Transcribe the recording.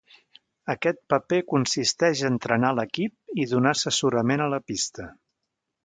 Aquest paper consisteix a entrenar l'equip i donar assessorament a la pista.